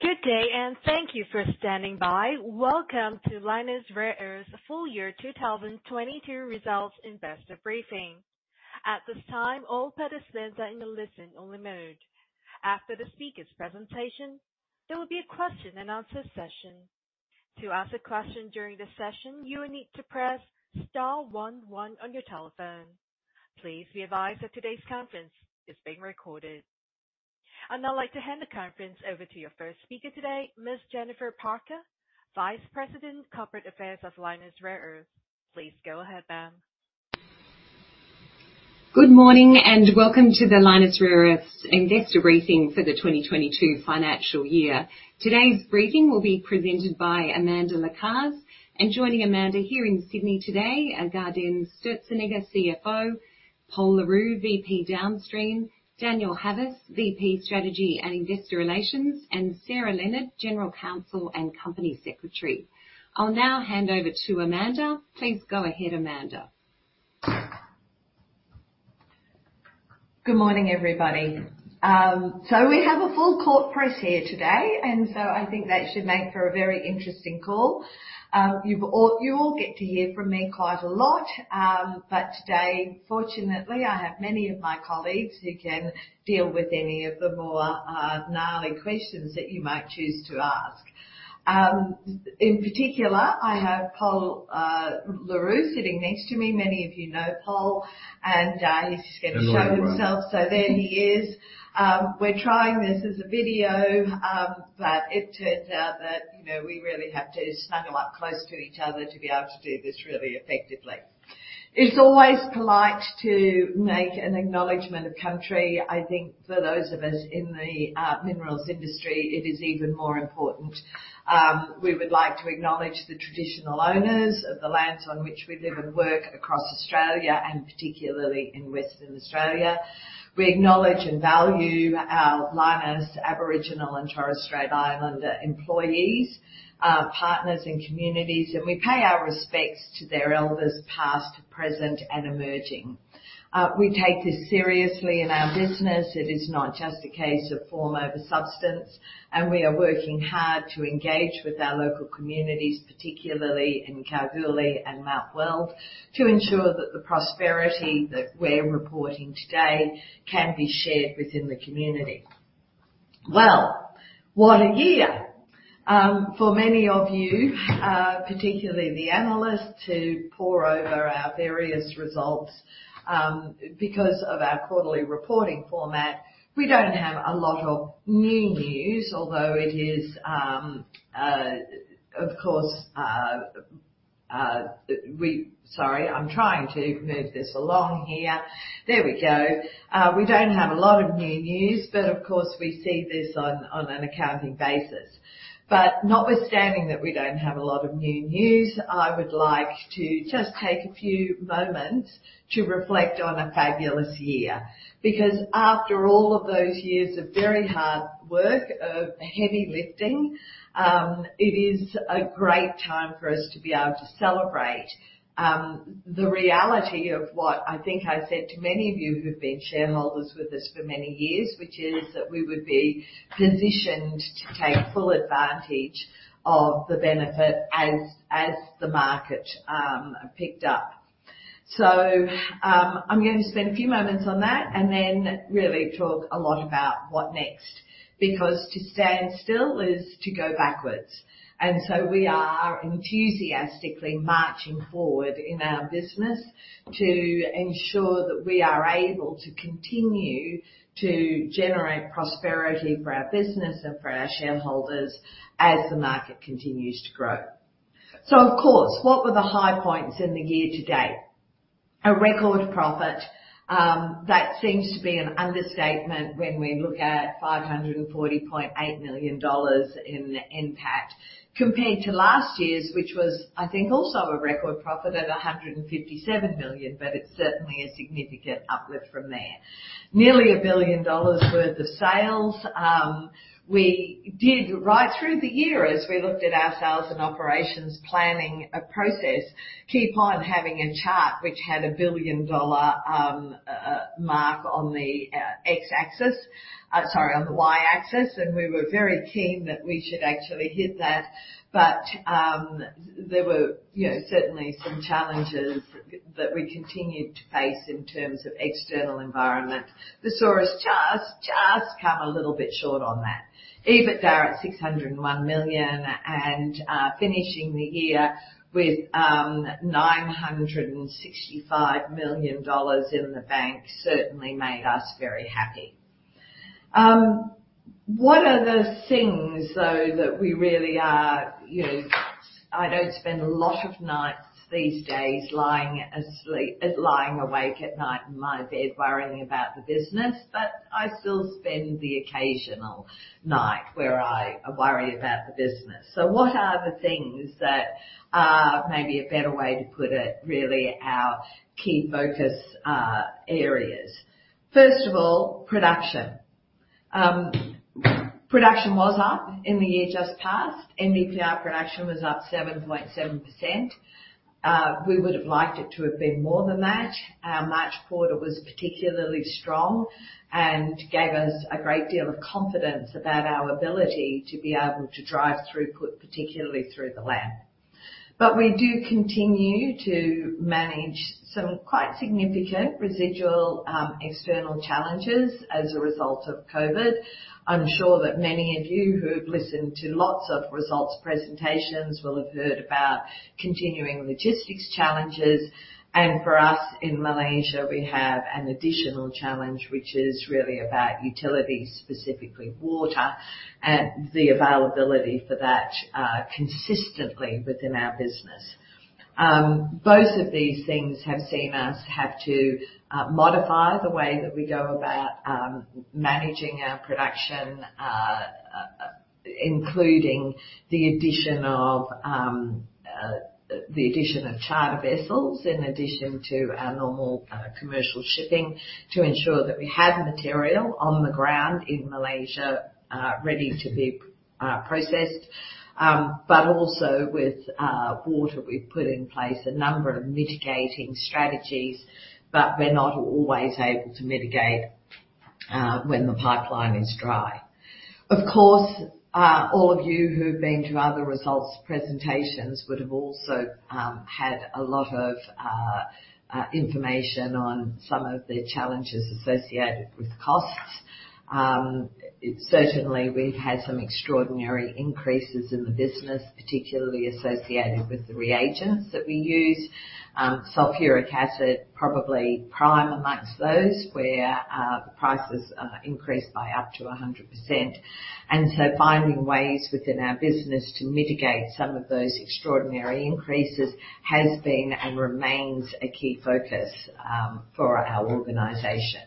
Good day, and thank you for standing by. Welcome to Lynas Rare Earths's full year 2022 results investor briefing. At this time, all participants are in a listen-only mode. After the speaker's presentation, there will be a question and answer session. To ask a question during the session, you will need to press star one one on your telephone. Please be advised that today's conference is being recorded. I'd now like to hand the conference over to your first speaker today, Ms. Jennifer Parker, Vice President, Corporate Affairs of Lynas Rare Earths. Please go ahead, ma'am. Good morning and welcome to the Lynas Rare Earths Investor briefing for the 2022 financial year. Today's briefing will be presented by Amanda Lacaze. Joining Amanda here in Sydney today are Gaudenz Sturzenegger, CFO, Pol Le Roux, VP Downstream, Daniel Havas, VP Strategy and Investor Relations, and Sarah Leonard, General Counsel and Company Secretary. I'll now hand over to Amanda. Please go ahead, Amanda. Good morning, everybody. We have a full court press here today, and I think that should make for a very interesting call. You all get to hear from me quite a lot, but today, fortunately, I have many of my colleagues who can deal with any of the more gnarly questions that you might choose to ask. In particular, I have Pol Le Roux sitting next to me. Many of you know Pol, and he's just gonna show himself. Hello, everyone. There he is. We're trying this as a video, but it turns out that, you know, we really have to snuggle up close to each other to be able to do this really effectively. It's always polite to make an acknowledgment of country. I think for those of us in the minerals industry, it is even more important. We would like to acknowledge the traditional owners of the lands on which we live and work across Australia, and particularly in Western Australia. We acknowledge and value our Lynas Aboriginal and Torres Strait Islander employees, partners and communities, and we pay our respects to their elders, past, present, and emerging. We take this seriously in our business. It is not just a case of form over substance, and we are working hard to engage with our local communities, particularly in Kalgoorlie and Mount Weld, to ensure that the prosperity that we're reporting today can be shared within the community. Well, what a year. For many of you, particularly the analysts who pore over our various results, because of our quarterly reporting format, we don't have a lot of new news. Sorry, I'm trying to move this along here. There we go. We don't have a lot of new news, but of course, we see this on an accounting basis. Notwithstanding that we don't have a lot of new news, I would like to just take a few moments to reflect on a fabulous year. After all of those years of very hard work, of heavy lifting, it is a great time for us to be able to celebrate the reality of what I think I said to many of you who've been shareholders with us for many years, which is that we would be positioned to take full advantage of the benefit as the market picked up. I'm going to spend a few moments on that and then really talk a lot about what next. To stand still is to go backwards. We are enthusiastically marching forward in our business to ensure that we are able to continue to generate prosperity for our business and for our shareholders as the market continues to grow. Of course, what were the high points in the year to date? A record profit that seems to be an understatement when we look at 540.8 million dollars in NPAT compared to last year's, which was, I think, also a record profit at 157 million, but it's certainly a significant uplift from there. Nearly 1 billion dollars worth of sales. We did right through the year as we looked at our sales and operations planning process keep on having a chart which had a billion-dollar mark on the X-axis. Sorry, on the Y-axis. We were very keen that we should actually hit that. There were, you know, certainly some challenges that we continued to face in terms of external environment. We just came a little bit short on that. EBITDA at 601 million and finishing the year with 965 million dollars in the bank certainly made us very happy. What are the things, though, that we really are, you know, I don't spend a lot of nights these days lying awake at night in my bed worrying about the business, but I still spend the occasional night where I worry about the business. What are the things that are maybe a better way to put it, really our key focus areas? First of all, production. Production was up in the year just past. NdPr production was up 7.7%. We would have liked it to have been more than that. Our March quarter was particularly strong and gave us a great deal of confidence about our ability to be able to drive throughput, particularly through the lab. We do continue to manage some quite significant residual external challenges as a result of COVID. I'm sure that many of you who have listened to lots of results presentations will have heard about continuing logistics challenges. For us in Malaysia, we have an additional challenge, which is really about utilities, specifically water and the availability for that consistently within our business. Both of these things have seen us have to modify the way that we go about managing our production, including the addition of charter vessels in addition to our normal commercial shipping to ensure that we have material on the ground in Malaysia ready to be processed. Also with water, we've put in place a number of mitigating strategies, but we're not always able to mitigate when the pipeline is dry. Of course, all of you who've been to other results presentations would have also had a lot of information on some of the challenges associated with costs. Certainly we've had some extraordinary increases in the business, particularly associated with the reagents that we use. Sulfuric acid, probably prime amongst those where the prices are increased by up to 100%. Finding ways within our business to mitigate some of those extraordinary increases has been and remains a key focus for our organization.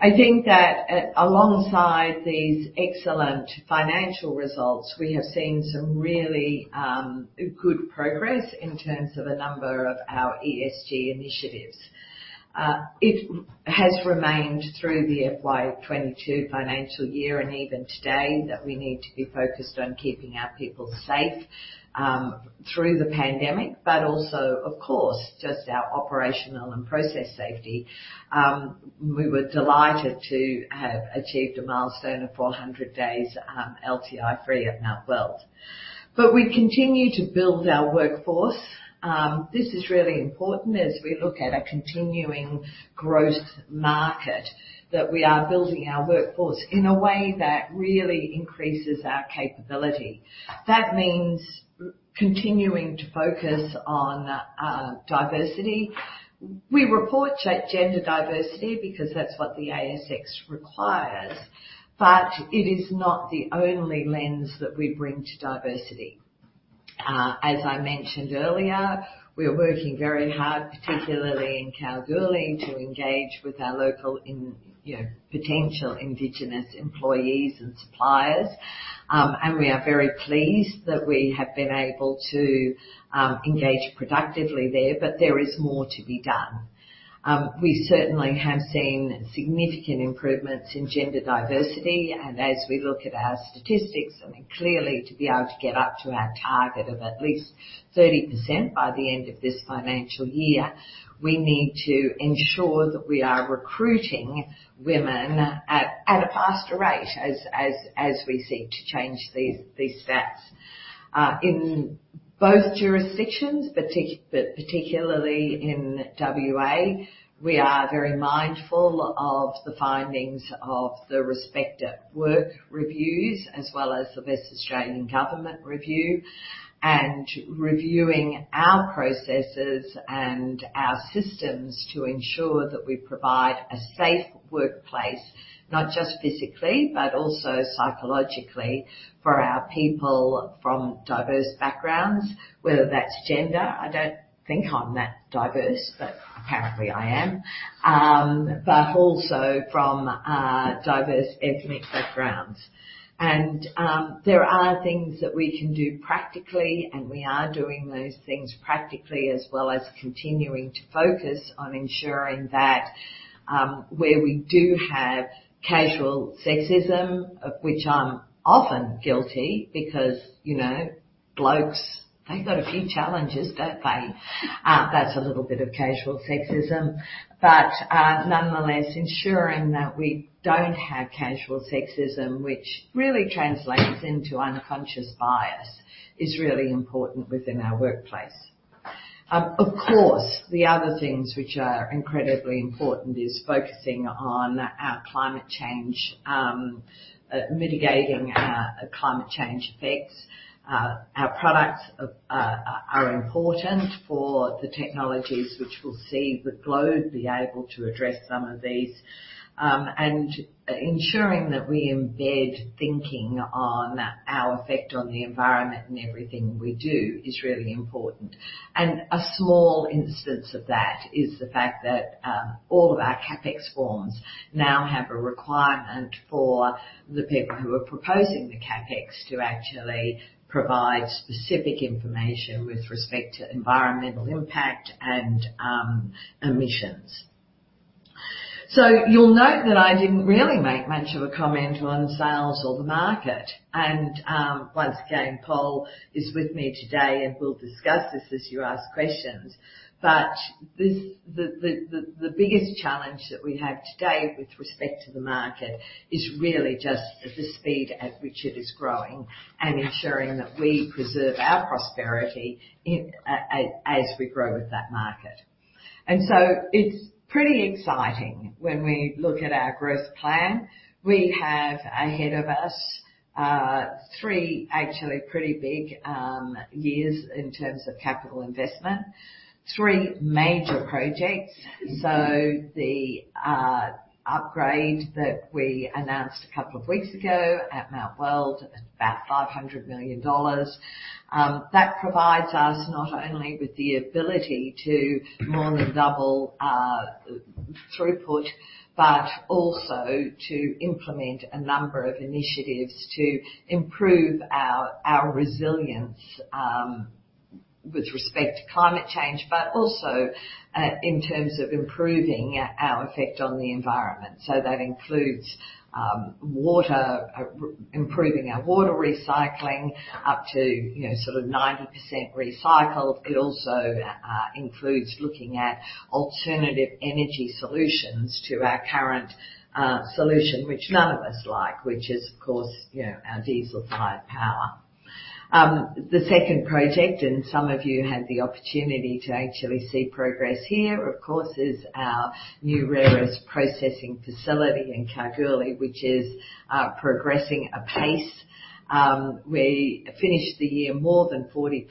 I think that, alongside these excellent financial results, we have seen some really good progress in terms of a number of our ESG initiatives. It has remained through the FY 2022 financial year and even today that we need to be focused on keeping our people safe through the pandemic, but also, of course, just our operational and process safety. We were delighted to have achieved a milestone of 400 days LTI free at Mount Weld. We continue to build our workforce. This is really important as we look at a continuing growth market, that we are building our workforce in a way that really increases our capability. That means continuing to focus on diversity. We report gender diversity because that's what the ASX requires, but it is not the only lens that we bring to diversity. As I mentioned earlier, we are working very hard, particularly in Kalgoorlie, to engage with our local, you know, potential indigenous employees and suppliers. We are very pleased that we have been able to engage productively there, but there is more to be done. We certainly have seen significant improvements in gender diversity. As we look at our statistics, I mean, clearly, to be able to get up to our target of at least 30% by the end of this financial year, we need to ensure that we are recruiting women at a faster rate as we seek to change these stats. In both jurisdictions, particularly in WA, we are very mindful of the findings of the Respect at Work reviews as well as the West Australian Government review and reviewing our processes and our systems to ensure that we provide a safe workplace, not just physically, but also psychologically for our people from diverse backgrounds, whether that's gender. I don't think I'm that diverse, but apparently I am. But also from diverse ethnic backgrounds. There are things that we can do practically, and we are doing those things practically as well as continuing to focus on ensuring that where we do have casual sexism, of which I'm often guilty because, you know, blokes, they've got a few challenges, don't they? That's a little bit of casual sexism. Nonetheless, ensuring that we don't have casual sexism, which really translates into unconscious bias, is really important within our workplace. Of course, the other things which are incredibly important is focusing on our climate change, mitigating our climate change effects. Our products are important for the technologies which will see the globe be able to address some of these. Ensuring that we embed thinking on our effect on the environment in everything we do is really important. A small instance of that is the fact that all of our CapEx forms now have a requirement for the people who are proposing the CapEx to actually provide specific information with respect to environmental impact and emissions. So you'll note that I didn't really make much of a comment on sales or the market. Once again, Pol is with me today, and we'll discuss this as you ask questions. But the biggest challenge that we have today with respect to the market is really just the speed at which it is growing and ensuring that we preserve our prosperity as we grow with that market. It's pretty exciting when we look at our growth plan. We have ahead of us three actually pretty big years in terms of capital investment. Three major projects. The upgrade that we announced a couple of weeks ago at Mount Weld at about 500 million dollars provides us not only with the ability to more than double our throughput, but also to implement a number of initiatives to improve our resilience with respect to climate change, but also in terms of improving our effect on the environment. That includes water, improving our water recycling up to you know sort of 90% recycled. It also includes looking at alternative energy solutions to our current solution, which none of us like, which is of course you know our diesel-fired power. The second project, and some of you had the opportunity to actually see progress here, of course, is our new rare earths processing facility in Kalgoorlie, which is progressing apace. We finished the year more than 40%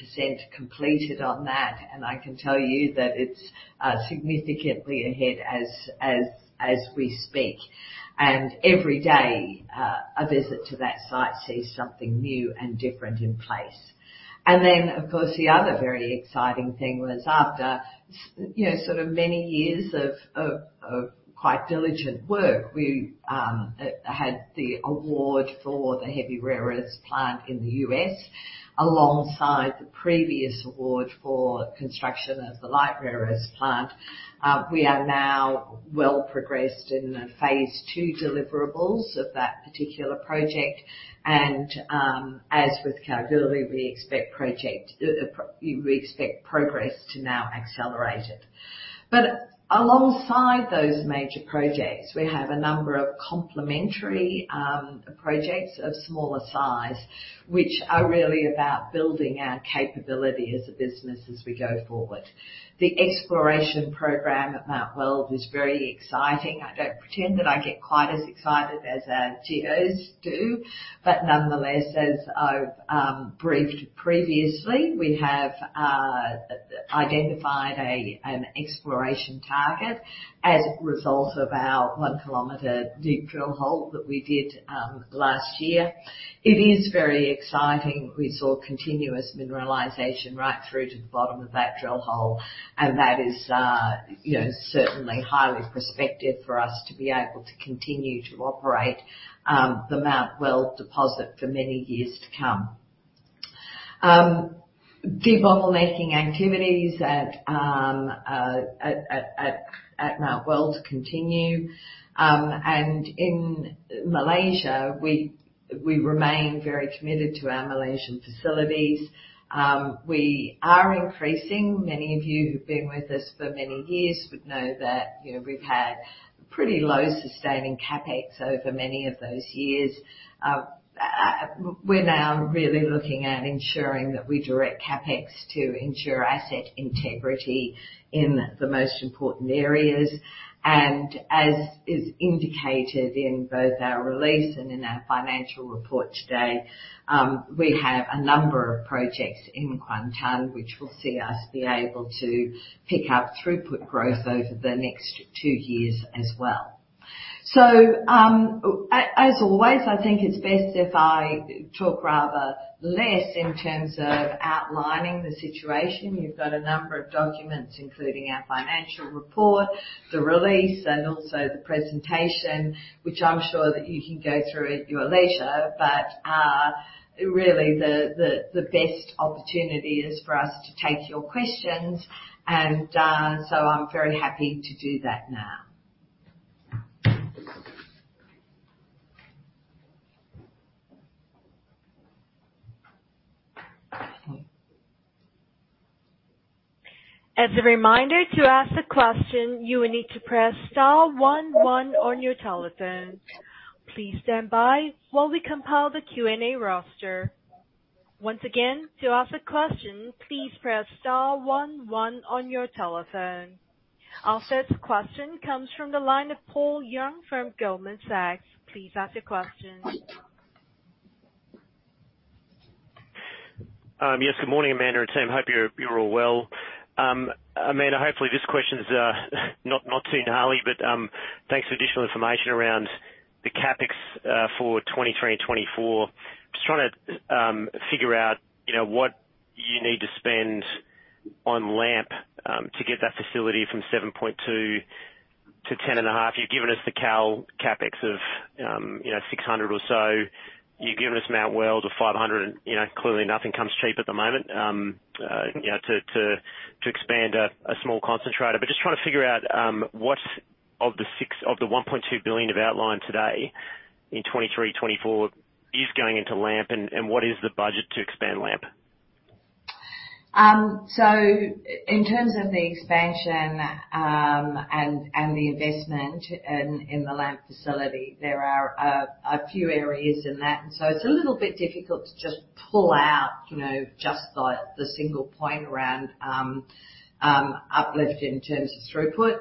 completed on that, and I can tell you that it's significantly ahead as we speak. Every day, a visit to that site sees something new and different in place. Then, of course, the other very exciting thing was after you know, sort of many years of quite diligent work, we had the award for the heavy rare earths plant in the U.S. alongside the previous award for construction of the light rare earths plant. We are now well progressed in the phase two deliverables of that particular project. As with Kalgoorlie, we expect progress to now accelerate it. Alongside those major projects, we have a number of complementary projects of smaller size, which are really about building our capability as a business as we go forward. The exploration program at Mount Weld is very exciting. I don't pretend that I get quite as excited as our geos do, but nonetheless, as I've briefed previously, we have identified an exploration target as a result of our one-kilometer deep drill hole that we did last year. It is very exciting. We saw continuous mineralization right through to the bottom of that drill hole, and that is, you know, certainly highly prospective for us to be able to continue to operate the Mount Weld deposit for many years to come. Debottlenecking activities at Mount Weld continue. In Malaysia, we remain very committed to our Malaysian facilities. Many of you who've been with us for many years would know that, you know, we've had pretty low sustaining CapEx over many of those years. We're now really looking at ensuring that we direct CapEx to ensure asset integrity in the most important areas. As is indicated in both our release and in our financial report today, we have a number of projects in Kuantan which will see us be able to pick up throughput growth over the next two years as well. As always, I think it's best if I talk rather less in terms of outlining the situation. You've got a number of documents, including our financial report, the release, and also the presentation, which I'm sure that you can go through at your leisure. Really, the best opportunity is for us to take your questions. I'm very happy to do that now. As a reminder, to ask a question, you will need to press star one one on your telephone. Please stand by while we compile the Q&A roster. Once again, to ask a question, please press star one one on your telephone. Our first question comes from the line of Paul Young from Goldman Sachs. Please ask your question. Good morning, Amanda and team. Hope you're all well. Amanda, hopefully this question is not too gnarly, but thanks for additional information around the CapEx for 2023 and 2024. Just trying to figure out, you know, what you need to spend on LAMP to get that facility from 7.2-10.5. You've given us the KAL CapEx of 600 million or so. You've given us Mount Weld of 500 million, and, you know, clearly nothing comes cheap at the moment. You know, to expand a small concentrator. Just trying to figure out what of the 1.2 billion you've outlined today in 2023-2024 is going into LAMP and what is the budget to expand LAMP? In terms of the expansion, and the investment in the LAMP facility, there are a few areas in that. It's a little bit difficult to just pull out, you know, just the single point around uplift in terms of throughput.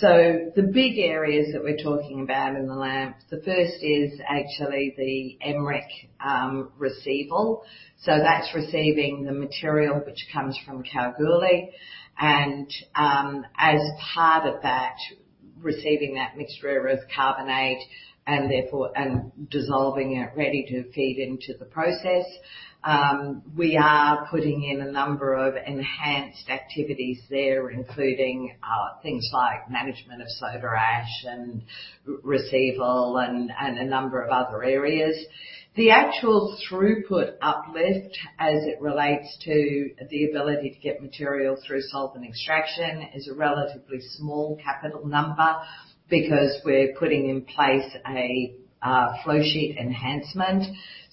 The big areas that we're talking about in the LAMP, the first is actually the MREC receival. That's receiving the material which comes from Kalgoorlie and, as part of that, receiving that mixed rare earth carbonate and dissolving it ready to feed into the process. We are putting in a number of enhanced activities there, including things like management of soda ash and receival and a number of other areas. The actual throughput uplift as it relates to the ability to get material through solvent extraction is a relatively small capital number because we're putting in place a flow sheet enhancement.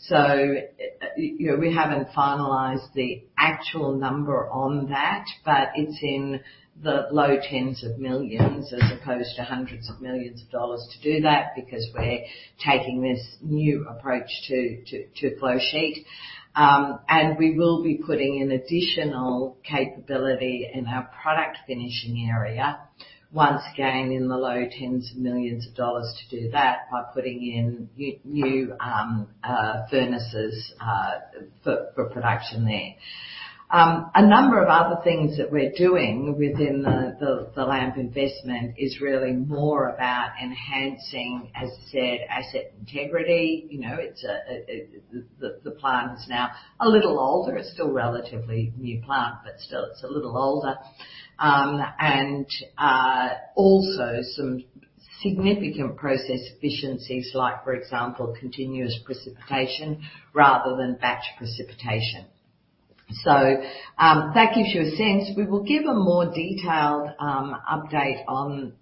You know, we haven't finalized the actual number on that, but it's in the low tens of millions as opposed to hundreds of millions dollars to do that because we're taking this new approach to flow sheet. We will be putting in additional capability in our product finishing area. Once again, in the low tens of millions dollars to do that by putting in new furnaces for production there. A number of other things that we're doing within the LAMP investment is really more about enhancing, as I said, asset integrity. You know, it's a. The plant is now a little older. It's still a relatively new plant, but still it's a little older. Also some significant process efficiencies like, for example, continuous precipitation rather than batch precipitation. That gives you a sense. We will give a more detailed update on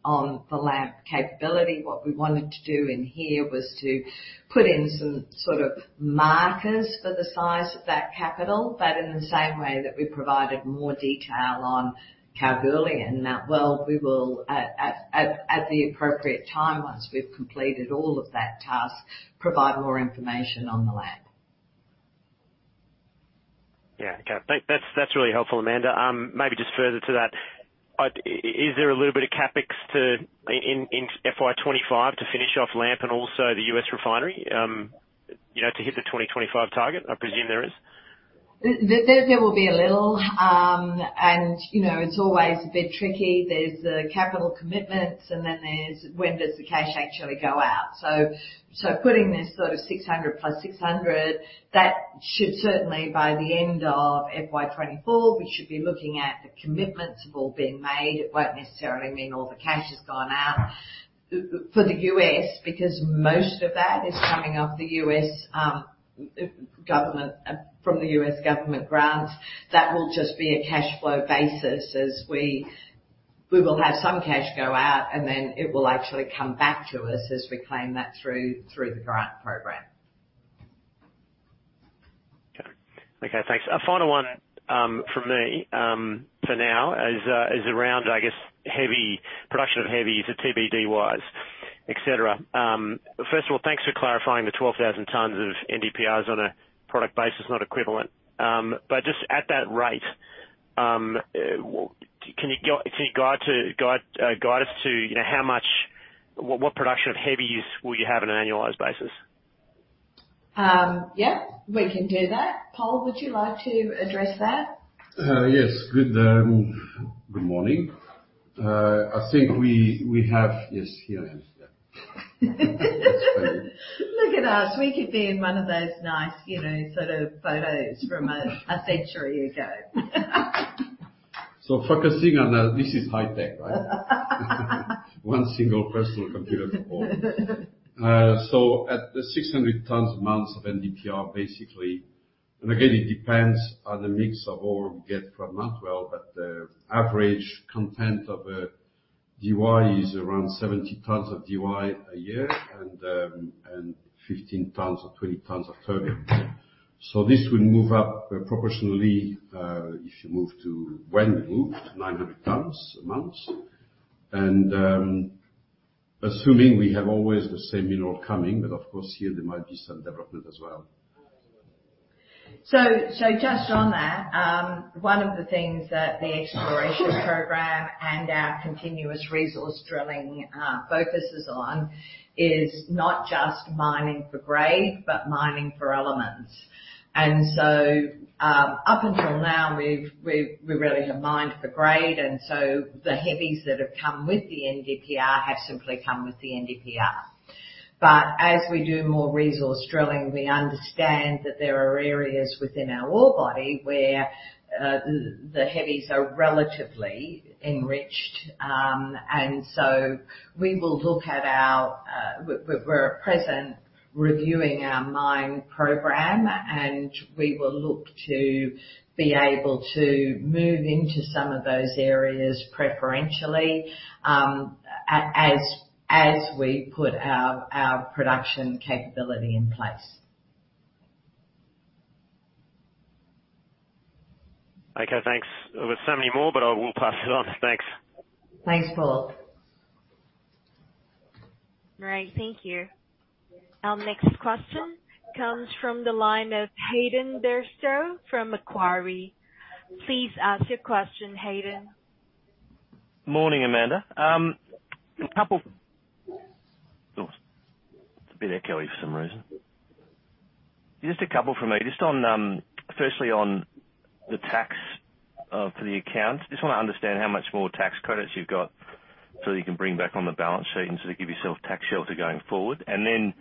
the LAMP capability. What we wanted to do in here was to put in some sort of markers for the size of that capital, but in the same way that we provided more detail on Kalgoorlie, we will at the appropriate time, once we've completed all of that task, provide more information on the LAMP. Yeah. Okay. That's really helpful, Amanda. Maybe just further to that. Is there a little bit of CapEx in FY 2025 to finish off LAMP and also the US refinery, you know, to hit the 2025 target? I presume there is. There will be a little, and you know, it's always a bit tricky. There's the capital commitments, and then there's when the cash actually goes out. Putting this sort of 600 + 600, that should certainly by the end of FY 2024, we should be looking at the commitments have all been made. It won't necessarily mean all the cash has gone out. For the U.S., because most of that is coming from the U.S. government grant. That will just be a cash flow basis as we will have some cash go out, and then it will actually come back to us as we claim that through the grant program. Okay, thanks. A final one from me for now is around, I guess, heavy production of heavies at Tb, Dy-wise, et cetera. First of all, thanks for clarifying the 12,000 tons of NdPr is on a product basis, not equivalent. Just at that rate, can you guide us to, you know, how much what production of heavies will you have on an annualized basis? Yeah, we can do that. Pol, would you like to address that? Yes. Good morning. I think we have. Yes, here I am. Yeah. That's better. Look at us. We could be in one of those nice, you know, sort of photos from a century ago. This is high tech, right? One single personal computer support. At the 600 tons a month of NdPr, basically, and again, it depends on the mix of ore we get from Mount Weld, but the average Dy content is around 70 tons of Dy a year and 15 tons or 20 tons of terbium. This will move up proportionally when we move to 900 tons a month. Assuming we have always the same mineral coming, but of course here there might be some development as well. Just on that, one of the things that the exploration program and our continuous resource drilling focuses on is not just mining for grade, but mining for elements. Up until now, we really have mined for grade, and so the heavies that have come with the NdPr have simply come with the NdPr. As we do more resource drilling, we understand that there are areas within our ore body where the heavies are relatively enriched. We're at present reviewing our mine program, and we will look to be able to move into some of those areas preferentially, as we put our production capability in place. Okay, thanks. There were so many more, but I will pass it on. Thanks. Thanks, Pol. All right, thank you. Our next question comes from the line of Hayden Bairstow from Macquarie. Please ask your question, Hayden. Morning, Amanda. It's a bit echoey for some reason. Just a couple from me. Just on, firstly on the tax, for the accounts. Just wanna understand how much more tax credits you've got so that you can bring back on the balance sheet and sort of give yourself tax shelter going forward. Then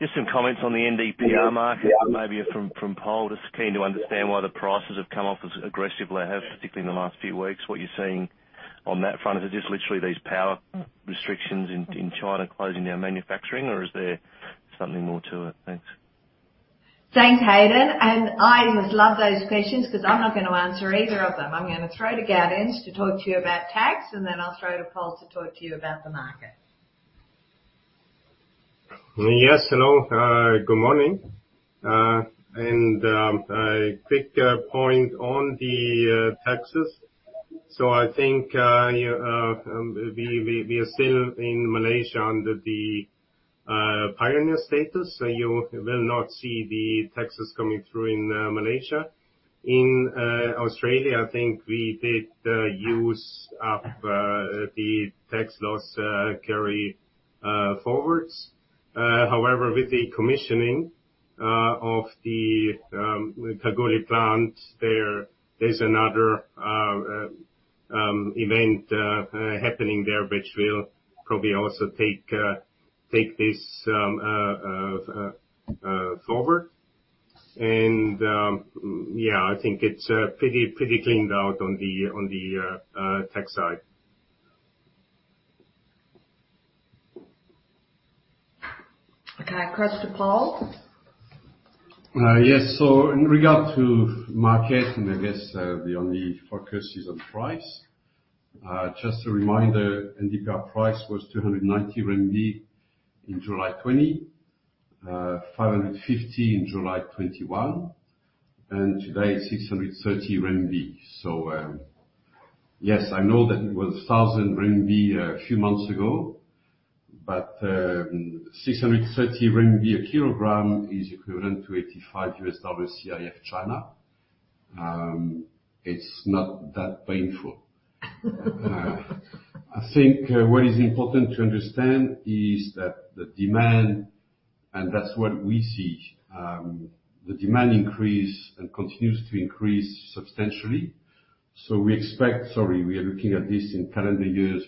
just some comments on the NdPr market, maybe from Pol. Just keen to understand why the prices have come off as aggressively as they have, particularly in the last few weeks. What you're seeing on that front, is it just literally these power restrictions in China closing down manufacturing or is there something more to it? Thanks. Thanks, Hayden, and I just love those questions 'cause I'm not gonna answer either of them. I'm gonna throw to Gaudenz to talk to you about tax, and then I'll throw to Pol to talk to you about the market. Yes, hello. Good morning. A quick point on the taxes. I think we are still in Malaysia under the Pioneer Status, so you will not see the taxes coming through in Malaysia. In Australia, I think we did use up the tax loss carry forwards. However, with the commissioning of the Kalgoorlie plant, there is another event happening there which will probably also take this forward. Yeah, I think it's pretty cleaned out on the tax side. Okay. Across to Pol. Yes. In regard to market, and I guess, the only focus is on price. Just a reminder, NdPr price was 290 RMB in July 2020, five hundred and fifty in July 2021, and today 630 RMB. Yes, I know that it was 1,000 RMB a few months ago, but 630 RMB a kilogram is equivalent to $85 CIF China. It's not that painful. I think what is important to understand is that the demand, and that's what we see, the demand increase and continues to increase substantially. Sorry, we are looking at this in calendar years.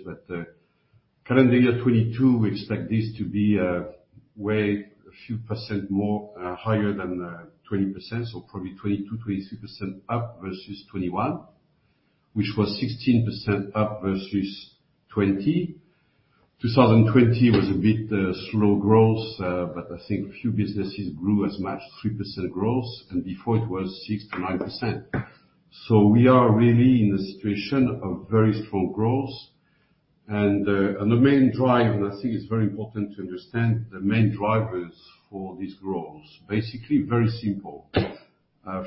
Current year 2022, we expect this to be way a few percent more higher than 20%. Probably 22%-23% up versus 2021, which was 16% up versus 2020. 2020 was a bit slow growth, but I think a few businesses grew as much, 3% growth. Before it was 6%-9%. We are really in a situation of very strong growth. The main drive, and I think it's very important to understand the main drivers for this growth. Basically very simple.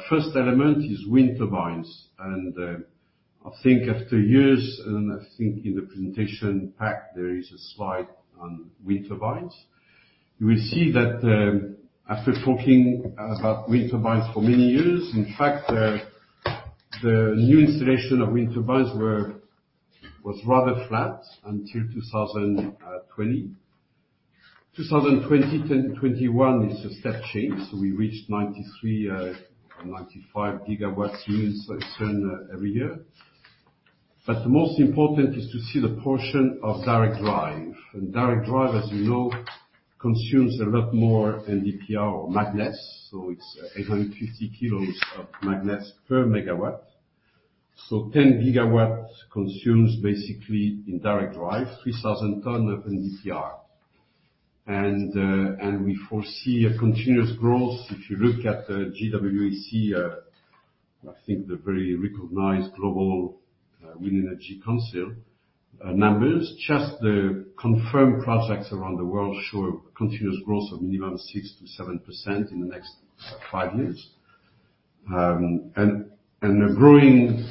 First element is wind turbines. I think after years, and I think in the presentation pack there is a slide on wind turbines. You will see that, after talking about wind turbines for many years, in fact, the new installation of wind turbines was rather flat until 2020. 2020-2021 is a step change. We reached 93 or 95 gigawatts units are turned every year. The most important is to see the portion of direct drive. Direct drive, as you know, consumes a lot more NdPr or magnets. It's 850 kilos of magnets per megawatt. Ten gigawatts consumes basically in direct drive, 3,000 tons of NdPr. We foresee a continuous growth. If you look at the GWEC, I think the well-recognized Global Wind Energy Council numbers, just the confirmed projects around the world show a continuous growth of minimum 6%-7% in the next five years. A growing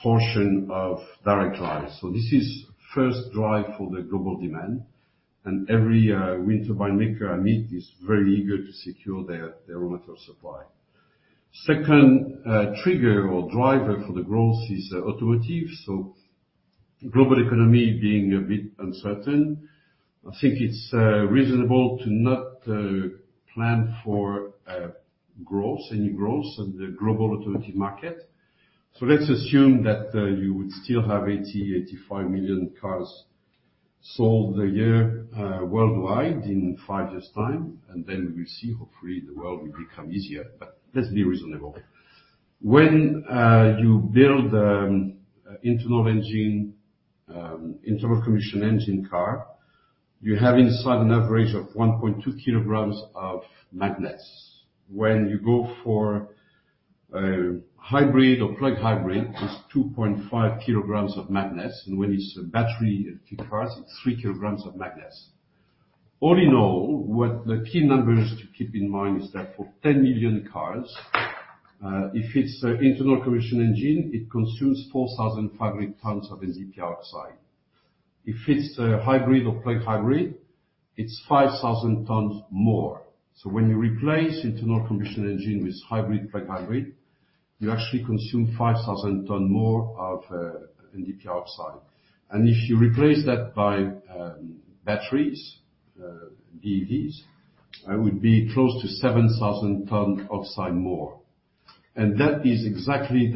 portion of direct drive. This is first driver for the global demand. Every wind turbine maker I meet is very eager to secure their raw material supply. Second, trigger or driver for the growth is automotive. Global economy being a bit uncertain, I think it's reasonable to not plan for growth, any growth in the global automotive market. Let's assume that you would still have 85 million cars sold a year worldwide in five years' time, and then we will see. Hopefully, the world will become easier. Let's be reasonable. When you build internal combustion engine car, you have inside an average of 1.2 kilograms of magnets. When you go for a hybrid or plug hybrid, it's 2.5 kilograms of magnets. When it's battery electric cars, it's three kilograms of magnets. All in all, what the key numbers to keep in mind is that for 10 million cars, if it's internal combustion engine, it consumes 4,500 tons of NdPr oxide. If it's a hybrid or plug hybrid, it's 5,000 tons more. When you replace internal combustion engine with hybrid, plug hybrid, you actually consume 5,000 tons more of NdPr oxide. If you replace that by batteries, BEVs, it would be close to 7,000 tons oxide more. That is exactly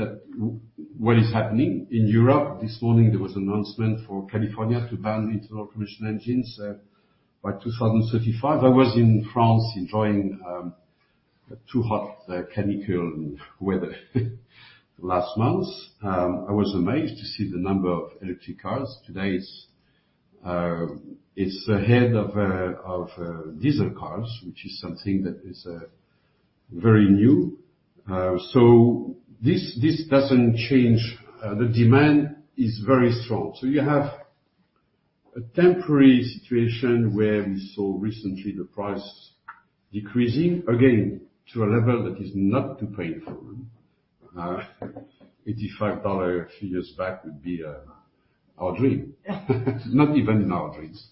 what is happening in Europe. This morning, there was announcement for California to ban internal combustion engines by 2035. I was in France enjoying too hot climatically and weather last month. I was amazed to see the number of electric cars. Today it's ahead of diesel cars, which is something that is very new. This doesn't change. The demand is very strong. You have a temporary situation where we saw recently the price decreasing again to a level that is not too painful. $85 a few years back would be our dream. Not even in our dreams.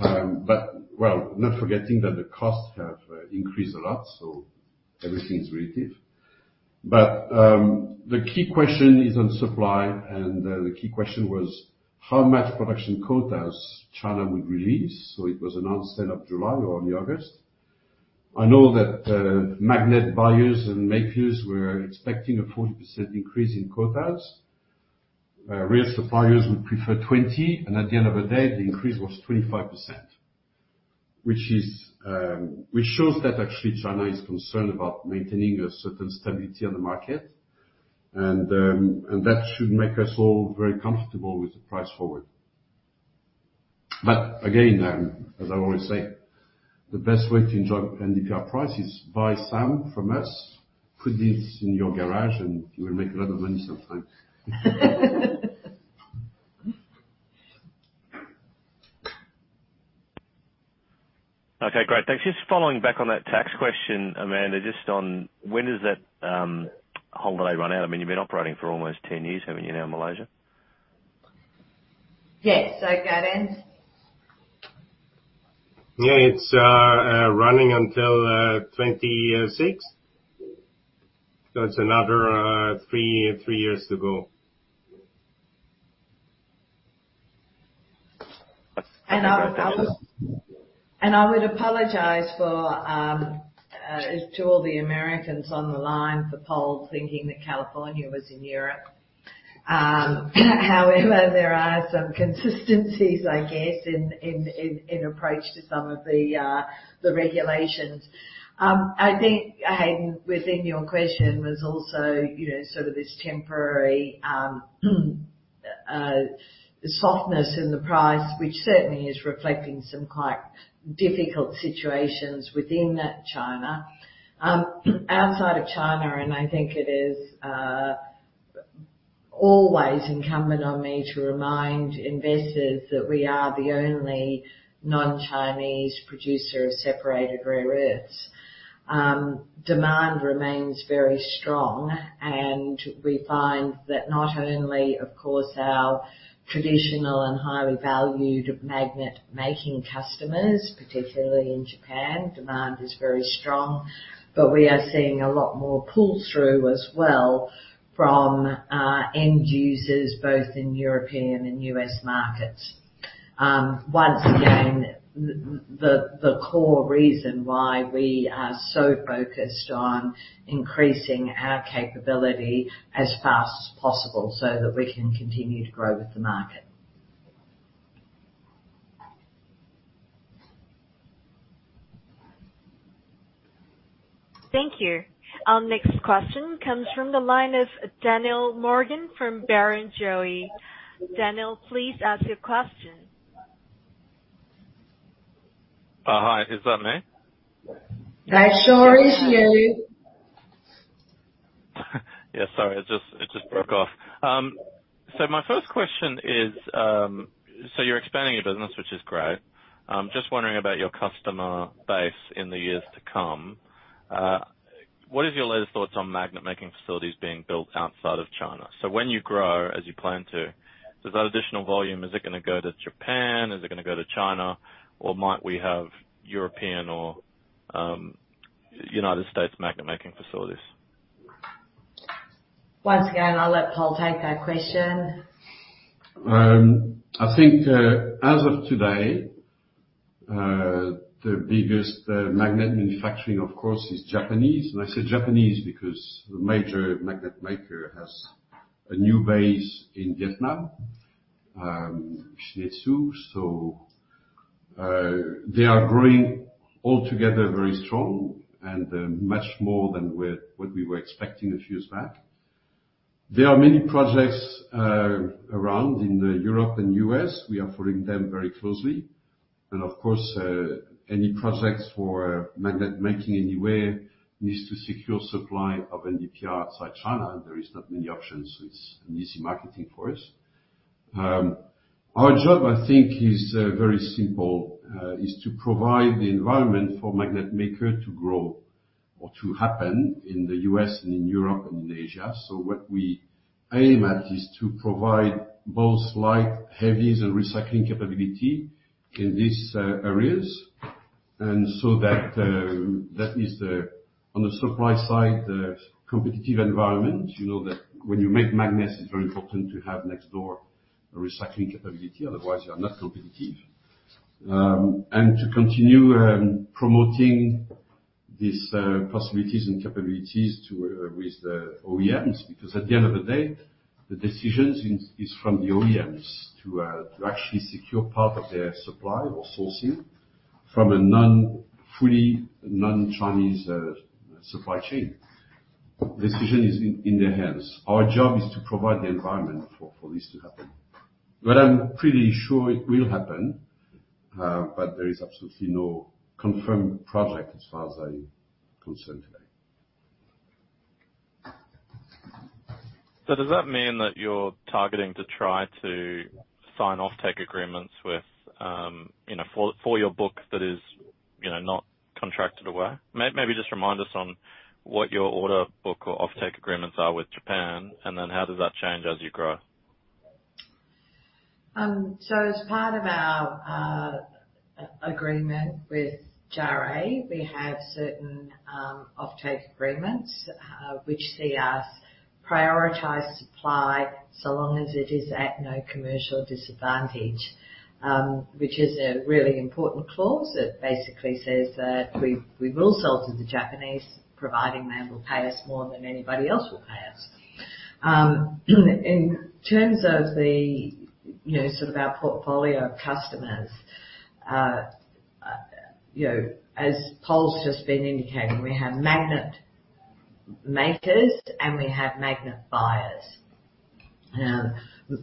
Well, not forgetting that the costs have increased a lot, so everything is relative. The key question is on supply, and the key question was how much production quotas China would release. It was announced end of July or early August. I know that magnet buyers and makers were expecting a 40% increase in quotas. Rare suppliers would prefer 20%, and at the end of the day, the increase was 25%. Which shows that actually China is concerned about maintaining a certain stability on the market. That should make us all very comfortable with the price forward. Again, as I always say, the best way to enjoy NdPr price is buy some from us, put this in your garage and you will make a lot of money sometime. Okay, great. Thanks. Just following up on that tax question, Amanda, just on when does that holiday run out? I mean, you've been operating for almost 10 years, haven't you, now in Malaysia? Yes. That ends? Yeah, it's running until 2026. It's another three years to go. I would apologize to all the Americans on the line for Pol thinking that California was in Europe. However, there are some consistencies, I guess, in approach to some of the regulations. I think, Hayden, within your question was also, you know, sort of this temporary softness in the price, which certainly is reflecting some quite difficult situations within China. Outside of China, I think it is always incumbent on me to remind investors that we are the only non-Chinese producer of separated rare earths. Demand remains very strong, and we find that not only, of course, our traditional and highly valued magnet-making customers, particularly in Japan, demand is very strong. We are seeing a lot more pull-through as well from end users both in European and US markets. Once again, the core reason why we are so focused on increasing our capability as fast as possible so that we can continue to grow with the market. Thank you. Our next question comes from the line of Daniel Morgan from Barrenjoey. Daniel, please ask your question. Hi. Is that me? I assure you. Yeah, sorry. It just broke off. My first question is, you're expanding your business, which is great. Just wondering about your customer base in the years to come. What is your latest thoughts on magnet making facilities being built outside of China? When you grow as you plan to, does that additional volume, is it gonna go to Japan, is it gonna go to China, or might we have European or United States magnet making facilities? Once again, I'll let Pol take that question. I think, as of today, the biggest magnet manufacturing, of course, is Japanese. I say Japanese because the major magnet maker has a new base in Vietnam, Shin-Etsu. They are growing altogether very strong and much more than what we were expecting a few years back. There are many projects around in Europe and US. We are following them very closely. Of course, any projects for magnet making anywhere needs to secure supply of NdPr outside China. There is not many options. It's an easy marketing for us. Our job, I think, is very simple, is to provide the environment for magnet maker to grow or to happen in the US and in Europe and in Asia. What we aim at is to provide both light, heavies and recycling capability in these areas. On the supply side, the competitive environment, you know that when you make magnets, it's very important to have next door a recycling capability, otherwise you are not competitive. To continue promoting these possibilities and capabilities to with the OEMs, because at the end of the day, the decision is from the OEMs to actually secure part of their supply or sourcing from a non-fully, non-Chinese supply chain. Decision is in their hands. Our job is to provide the environment for this to happen. I'm pretty sure it will happen, there is absolutely no confirmed project as far as I'm concerned today. Does that mean that you're targeting to try to sign offtake agreements with, you know, for your book that is, you know, not contracted away? Maybe just remind us on what your order book or offtake agreements are with Japan, and then how does that change as you grow? As part of our agreement with JARE, we have certain offtake agreements which see us prioritize supply so long as it is at no commercial disadvantage, which is a really important clause that basically says that we will sell to the Japanese providing they will pay us more than anybody else will pay us. In terms of the, you know, sort of our portfolio of customers, you know, as Pol's just been indicating, we have magnet makers and we have magnet buyers.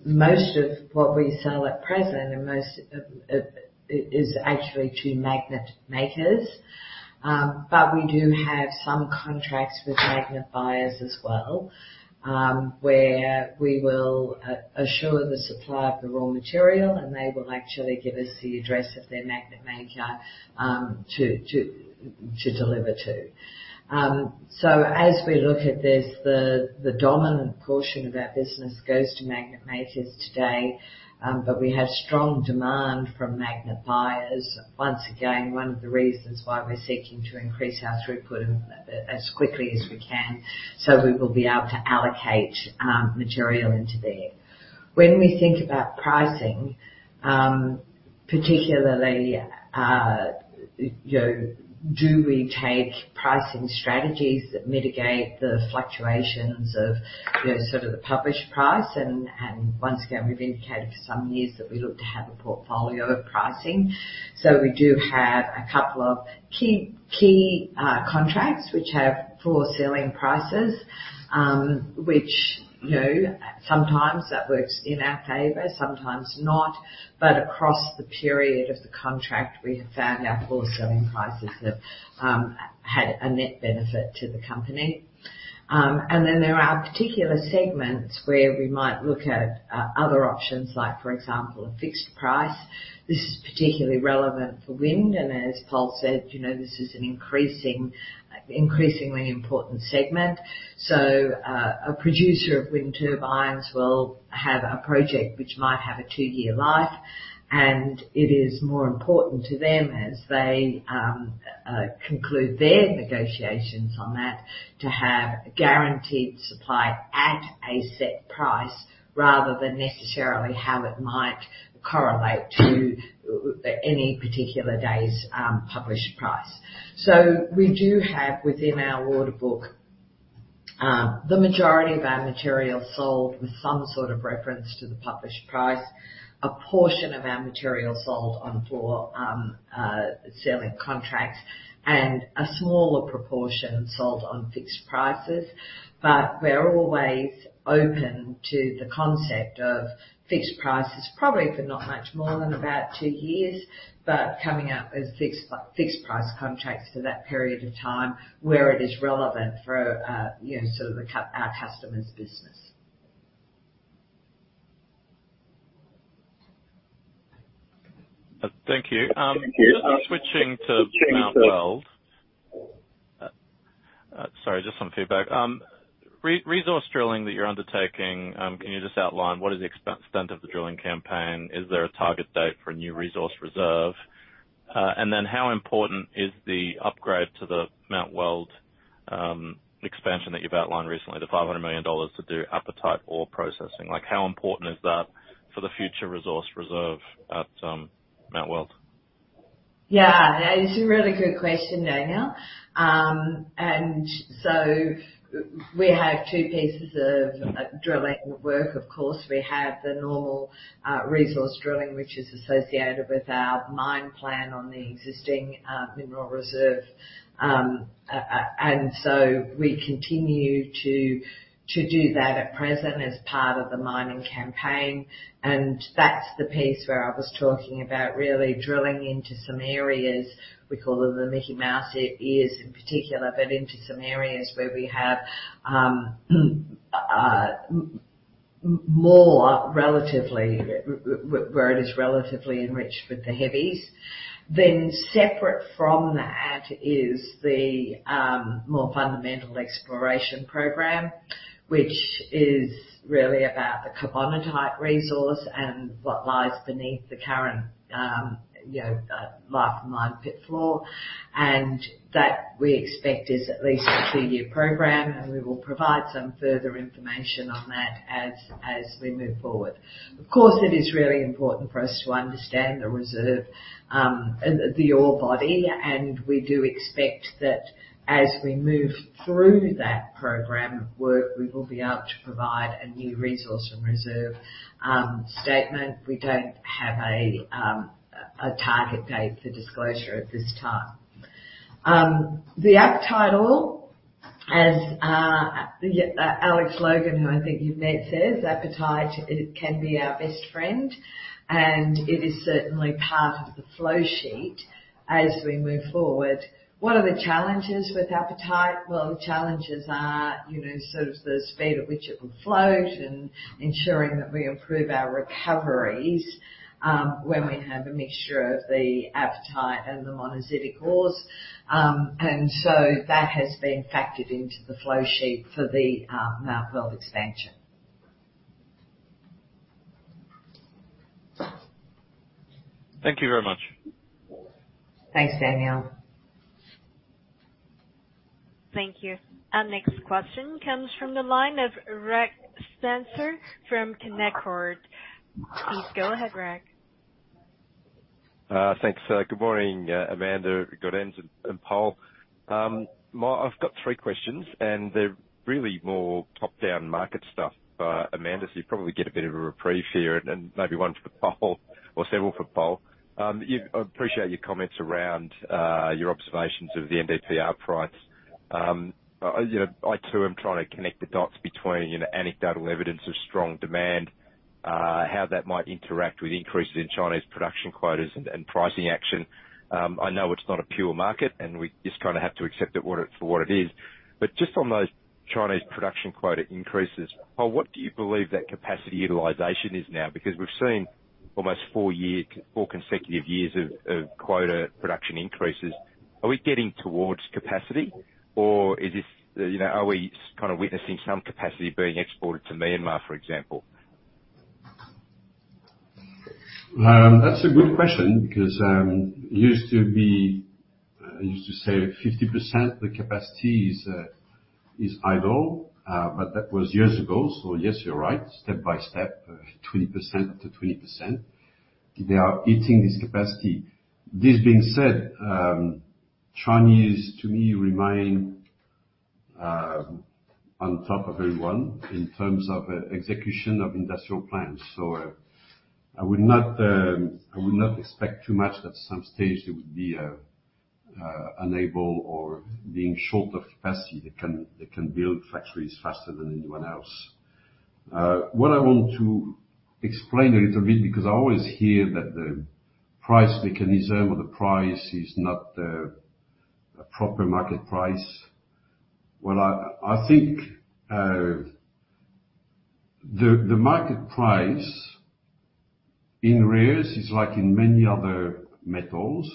Most of what we sell at present and most of it is actually to magnet makers. We do have some contracts with magnet buyers as well, where we will assure the supply of the raw material, and they will actually give us the address of their magnet maker, to deliver to. As we look at this, the dominant portion of our business goes to magnet makers today, but we have strong demand from magnet buyers. Once again, one of the reasons why we're seeking to increase our throughput as quickly as we can, so we will be able to allocate material into there. When we think about pricing, particularly, you know, do we take pricing strategies that mitigate the fluctuations of, you know, sort of the published price? Once again, we've indicated for some years that we look to have a portfolio of pricing. We do have a couple of key contracts which have floor-ceiling prices, which, you know, sometimes that works in our favor, sometimes not. But across the period of the contract, we have found our floor-ceiling prices have had a net benefit to the company. And then there are particular segments where we might look at other options, like for example, a fixed price. This is particularly relevant for wind, and as Pol said, you know, this is an increasingly important segment. A producer of wind turbines will have a project which might have a two-year life, and it is more important to them as they conclude their negotiations on that to have guaranteed supply at a set price, rather than necessarily how it might correlate to any particular day's published price. We do have within our order book the majority of our material sold with some sort of reference to the published price, a portion of our material sold on floor ceiling contracts, and a smaller proportion sold on fixed prices. We're always open to the concept of fixed prices, probably for not much more than about two years, but coming up with fixed price contracts for that period of time where it is relevant for you know sort of our customers' business. Thank you. Thank you. Switching to Mount Weld. Sorry, just some feedback. Re-resource drilling that you're undertaking, can you just outline what is the extent of the drilling campaign? Is there a target date for a new resource reserve? And then how important is the upgrade to the Mount Weld expansion that you've outlined recently, the 500 million dollars to do apatite ore processing? Like how important is that for the future resource reserve at Mount Weld? Yeah. It's a really good question, Daniel. We have two pieces of drilling work, of course. We have the normal resource drilling, which is associated with our mine plan on the existing mineral reserve. We continue to do that at present as part of the mining campaign, and that's the piece where I was talking about really drilling into some areas, we call them the Mickey Mouse ears in particular, but into some areas where we have more relatively where it is relatively enriched with the heavies. Then separate from that is the more fundamental exploration program, which is really about the carbonatite resource and what lies beneath the current you know life of mine pit floor. That we expect is at least a two-year program, and we will provide some further information on that as we move forward. Of course, it is really important for us to understand the reserve, the ore body. We do expect that as we move through that program of work, we will be able to provide a new resource and reserve statement. We don't have a target date for disclosure at this time. The apatite, as Alex Logan, who I think you've met, says, apatite it can be our best friend, and it is certainly part of the flow sheet as we move forward. What are the challenges with apatite? Well, the challenges are, you know, sort of the speed at which it will float and ensuring that we improve our recoveries, when we have a mixture of the apatite and the monazitic ores. That has been factored into the flow sheet for the Mount Weld expansion. Thank you very much. Thanks, Daniel. Thank you. Our next question comes from the line of Reg Spencer from Canaccord. Please go ahead, Reg. Thanks. Good morning, Amanda, Gaudenz and Pol. I've got three questions, and they're really more top-down market stuff. Amanda, so you probably get a bit of a reprieve here and maybe one for Pol or several for Pol. I appreciate your comments around your observations of the NdPr price. You know, I too am trying to connect the dots between, you know, anecdotal evidence of strong demand, how that might interact with increases in Chinese production quotas and pricing action. I know it's not a pure market, and we just kind of have to accept it for what it is. Just on those Chinese production quota increases, Pol, what do you believe that capacity utilization is now? Because we've seen almost four consecutive years of quota production increases. Are we getting towards capacity or is this, you know, are we kind of witnessing some capacity being exported to Myanmar, for example? That's a good question because it used to be you used to say 50% the capacity is idle. That was years ago. Yes, you're right. Step by step, 20%-20%, they are hitting this capacity. This being said, Chinese, to me, remain on top of everyone in terms of execution of industrial plans. I would not expect too much that at some stage they would be unable or being short of capacity. They can build factories faster than anyone else. What I want to explain a little bit because I always hear that the price mechanism or the price is not a proper market price. Well, I think the market price in rares is like in many other metals.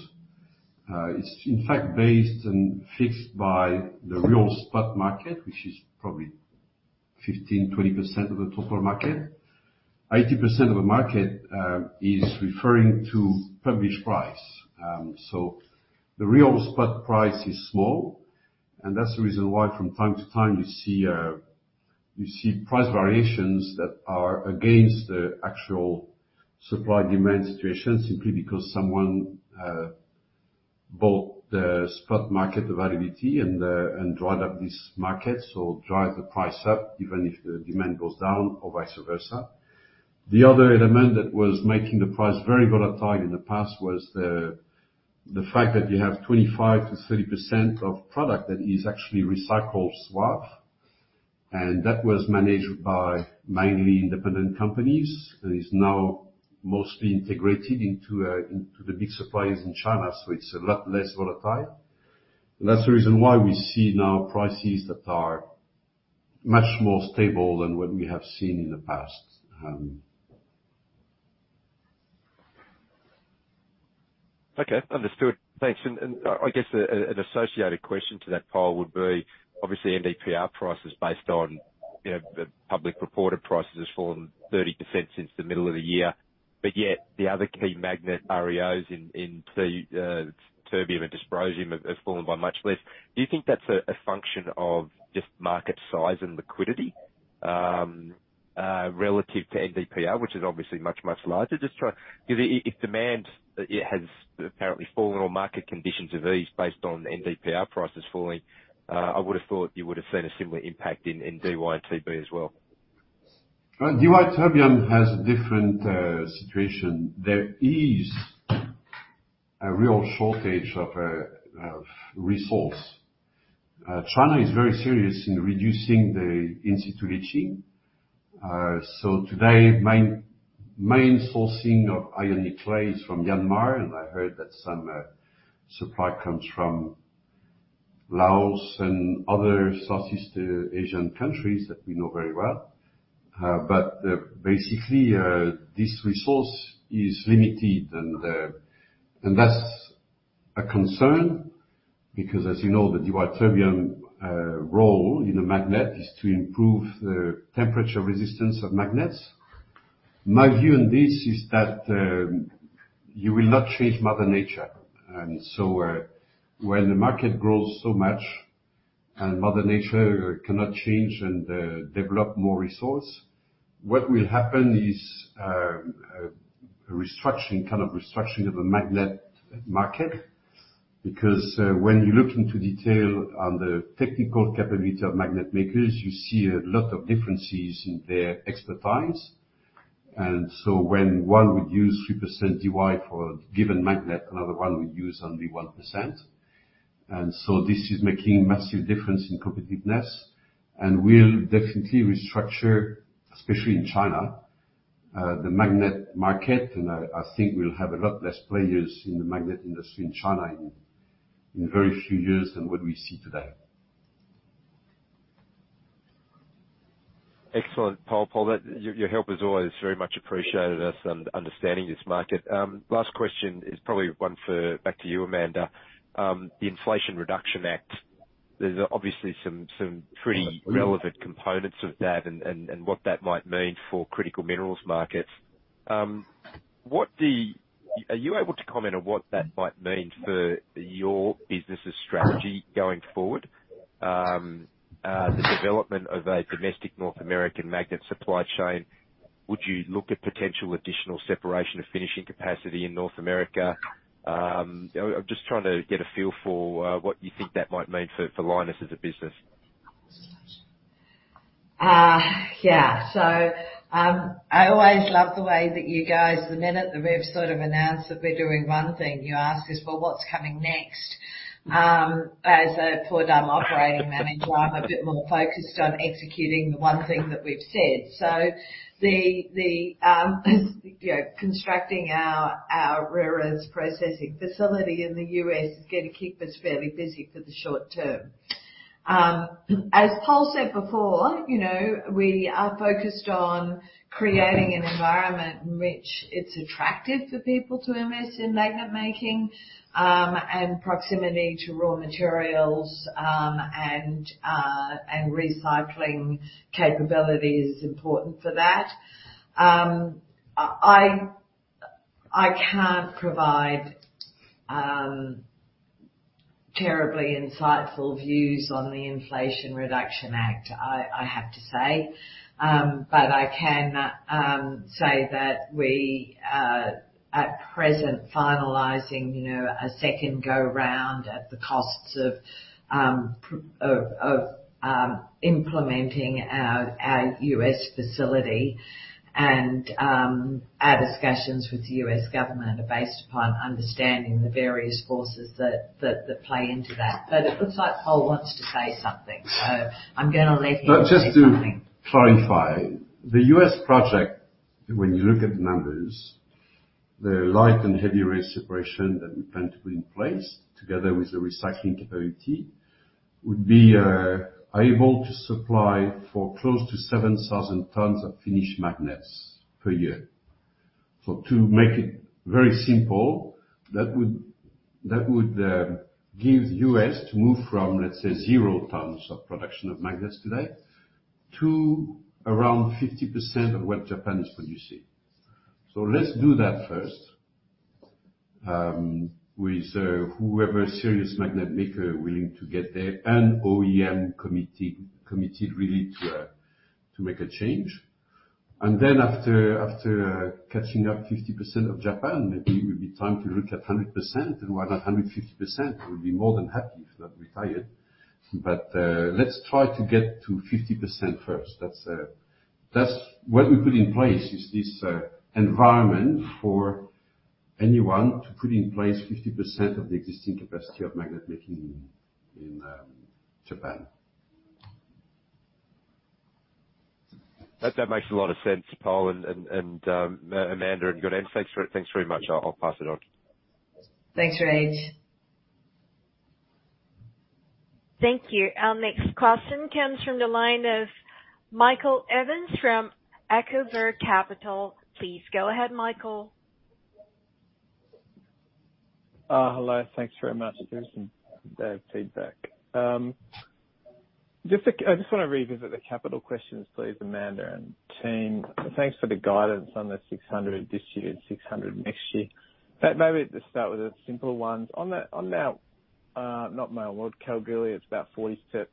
It's in fact based and fixed by the real spot market, which is probably 15%-20% of the total market. 80% of the market is referring to published price. The real spot price is small, and that's the reason why from time to time you see price variations that are against the actual supply-demand situation simply because someone bought the spot market volatility and dried up this market. Drive the price up even if the demand goes down or vice versa. The other element that was making the price very volatile in the past was the fact that you have 25%-30% of product that is actually recycled swarf, and that was managed by mainly independent companies and is now mostly integrated into the big suppliers in China. It's a lot less volatile. That's the reason why we see now prices that are much more stable than what we have seen in the past. Okay. Understood. Thanks. I guess an associated question to that, Pol, would be obviously NdPr price is based on, you know, the public reported prices has fallen 30% since the middle of the year, but yet the other key magnet REOs in Pr, terbium and dysprosium have fallen by much less. Do you think that's a function of just market size and liquidity relative to NdPr, which is obviously much, much larger? 'Cause if demand has apparently fallen or market conditions have eased based on NdPr prices falling, I would have thought you would have seen a similar impact in Dy and Tb as well. Well, Dy terbium has a different situation. There is a real shortage of resource. China is very serious in reducing the in-situ leaching. Today main sourcing of ionic clay is from Myanmar, and I heard that some supply comes from Laos and other Southeast Asian countries that we know very well. Basically, this resource is limited and that's a concern because as you know, the Dy terbium role in a magnet is to improve the temperature resistance of magnets. My view on this is that you will not change mother nature. When the market grows so much and mother nature cannot change and develop more resource, what will happen is a restructuring, kind of restructuring of the magnet market. Because when you look into detail on the technical capability of magnet makers, you see a lot of differences in their expertise. When one would use 3% Dy for a given magnet, another one would use only 1%. This is making massive difference in competitiveness. We'll definitely restructure, especially in China, the magnet market, and I think we'll have a lot less players in the magnet industry in China in very few years than what we see today. Excellent, Pol. Your help is always very much appreciated as I'm understanding this market. Last question is probably one back to you, Amanda. The Inflation Reduction Act, there's obviously some pretty relevant components of that and what that might mean for critical minerals markets. Are you able to comment on what that might mean for your business' strategy going forward? The development of a domestic North American magnet supply chain, would you look at potential additional separation or finishing capacity in North America? I'm just trying to get a feel for what you think that might mean for Lynas as a business. Yeah. I always love the way that you guys, the minute we sort of announce that we're doing one thing, you ask us, "Well, what's coming next?" As a poor dumb operating manager, I'm a bit more focused on executing the one thing that we've said. Constructing our rare earths processing facility in the U.S. is gonna keep us fairly busy for the short term. As Pol Le Roux said before, you know, we are focused on creating an environment in which it's attractive for people to invest in magnet making, and proximity to raw materials and recycling capability is important for that. I can't provide terribly insightful views on the Inflation Reduction Act. I have to say. I can say that we are at present finalizing, you know, a second go-round at the costs of implementing our US facility. Our discussions with the US government are based upon understanding the various forces that play into that. It looks like Pol Le Roux wants to say something, so I'm gonna let him say something. Just to clarify, the U.S. project, when you look at the numbers, the light and heavy rare separation that we plan to put in place together with the recycling capability, would be able to supply for close to 7,000 tons of finished magnets per year. To make it very simple, that would give U.S. to move from, let's say, 0 tons of production of magnets today to around 50% of what Japan is producing. Let's do that first, with whoever serious magnet maker willing to get there and OEM committing really to make a change. Then after catching up 50% of Japan, maybe it will be time to look at 100% and why not 150%. We'll be more than happy if not retired. Let's try to get to 50% first. That's what we put in place is this environment for anyone to put in place 50% of the existing capacity of magnet making in Japan. That makes a lot of sense, Pol and Amanda and good answer. Thanks very much. I'll pass it on. Thanks, Reg. Thank you. Our next question comes from the line of Michael Evans from Acova Capital. Please go ahead, Michael. Hello. Thanks very much, Susan. Yeah. Great feedback. I just wanna revisit the capital questions, please, Amanda and team. Thanks for the guidance on the 600 this year and 600 next year. Maybe let's start with the simpler ones. On that not Malaysia, Kalgoorlie, it's about 40%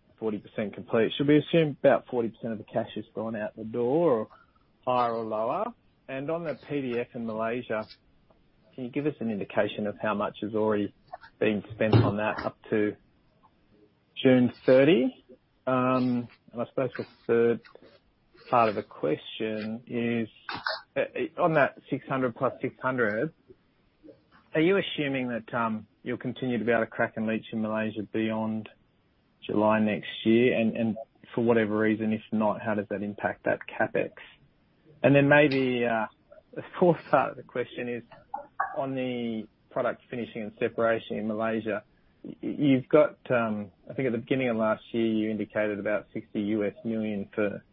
complete. Should we assume about 40% of the cash has gone out the door or higher or lower? And on the PDF in Malaysia, can you give us an indication of how much has already been spent on that up to June 30? I suppose the third part of the question is, on that 600 + 600, are you assuming that you'll continue to be able to crack and leach in Malaysia beyond July next year? For whatever reason, if not, how does that impact that CapEx? Then maybe the fourth part of the question is on the product finishing and separation in Malaysia. You've got, I think at the beginning of last year, you indicated about $60 million for,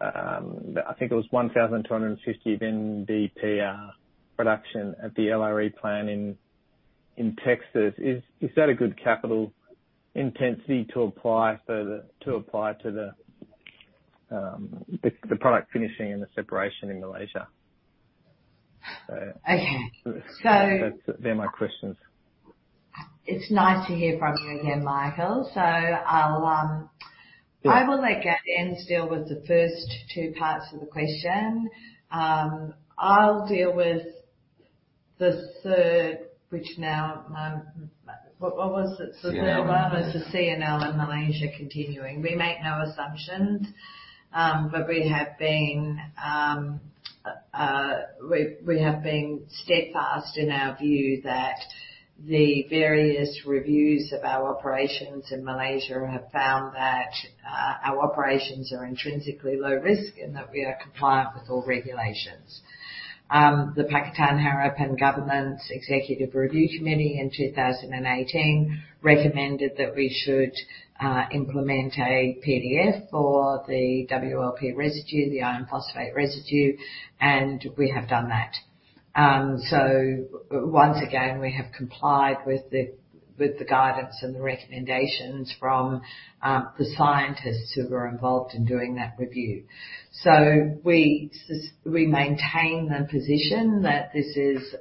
I think it was 1,250 of NdPr production at the LRE plant in Texas. Is that a good capital intensity to apply to the product finishing and the separation in Malaysia? Okay. That's, they're my questions. It's nice to hear from you again, Michael. Yeah. I will let Gaudenz deal with the first two parts of the question. I'll deal with the third. What was the third one? CNL. Was the CNL in Malaysia continuing. We make no assumptions, but we have been steadfast in our view that the various reviews of our operations in Malaysia have found that our operations are intrinsically low risk and that we are compliant with all regulations. The Pakatan Harapan government's executive review committee in 2018 recommended that we should implement a PDF for the WLP residue, the iron phosphate residue, and we have done that. Once again, we have complied with the guidance and the recommendations from the scientists who were involved in doing that review. We maintain the position that this is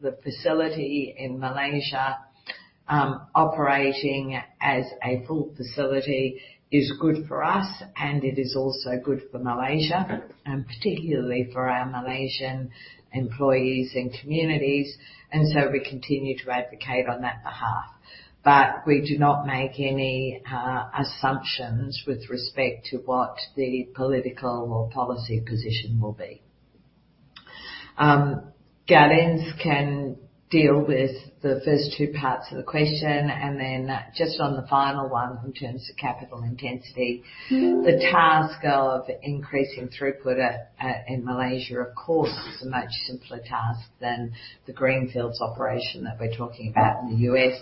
the facility in Malaysia operating as a full facility is good for us, and it is also good for Malaysia, and particularly for our Malaysian employees and communities. We continue to advocate on that behalf. We do not make any assumptions with respect to what the political or policy position will be. Gaudenz can deal with the first two parts of the question and then just on the final one in terms of capital intensity. The task of increasing throughput in Malaysia, of course, is a much simpler task than the greenfields operation that we're talking about in the US.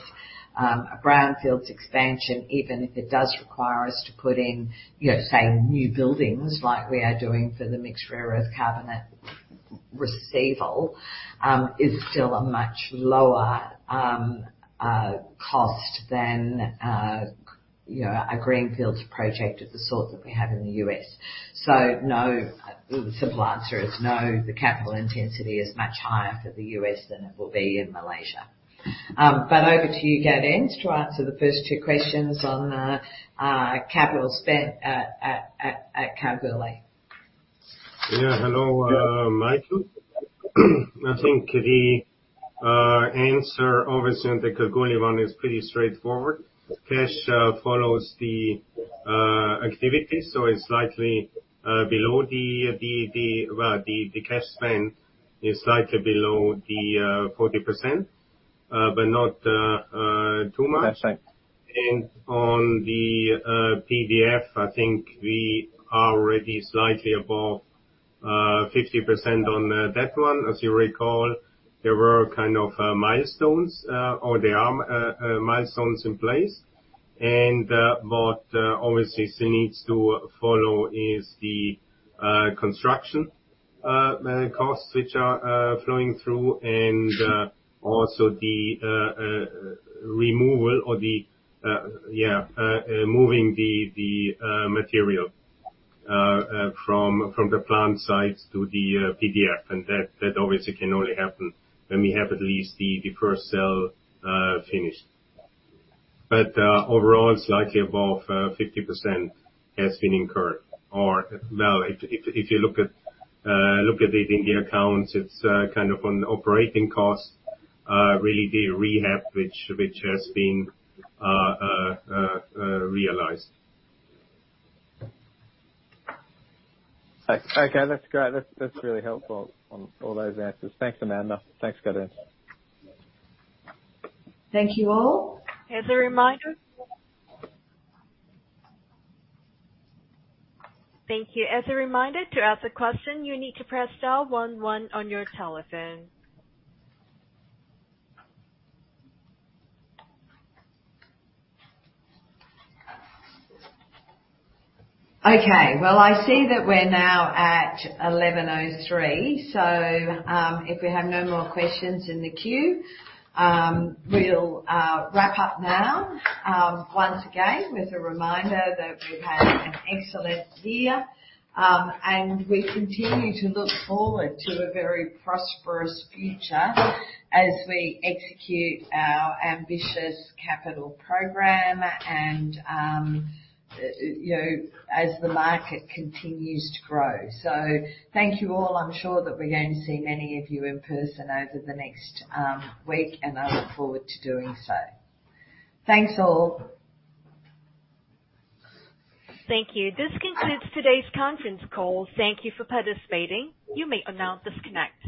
A brownfields expansion, even if it does require us to put in, you know, say, new buildings like we are doing for the Mixed Rare Earth Carbonate receival, is still a much lower cost than, you know, a greenfields project of the sort that we have in the US. No. The simple answer is no. The capital intensity is much higher for the US than it will be in Malaysia. Over to you, Gaudenz, to answer the first two questions on capital spent at Kalgoorlie. Yeah. Hello, Michael. I think the answer obviously on the Kalgoorlie one is pretty straightforward. Cash follows the activity. Well, the cash spend is slightly below the 40%, but not too much. That's it. On the PDF, I think we are already slightly above 50% on that one. As you recall, there were kind of milestones or there are milestones in place. What obviously still needs to follow is the construction costs which are flowing through and also the removal or moving the material from the plant sites to the PDF. That obviously can only happen when we have at least the first cell finished. Overall, slightly above 50% has been incurred. If you look at it in the accounts, it's kind of on operating costs, really the rehab which has been realized. Okay. That's great. That's really helpful on all those answers. Thanks, Amanda. Thanks, Gaudenz. Thank you all. As a reminder. Thank you. As a reminder, to ask a question, you need to press star one one on your telephone. Okay. Well, I see that we're now at 11:03. If we have no more questions in the queue, we'll wrap up now. Once again, with a reminder that we've had an excellent year, and we continue to look forward to a very prosperous future as we execute our ambitious capital program and, you know, as the market continues to grow. Thank you all. I'm sure that we're going to see many of you in person over the next week, and I look forward to doing so. Thanks, all. Thank you. This concludes today's conference call. Thank you for participating. You may now disconnect.